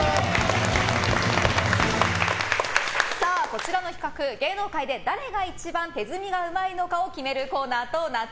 こちらの企画芸能界で誰が一番手積みがうまいのかを決めるコーナーです。